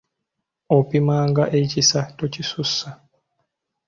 Opimanga ekisa, tokisussa.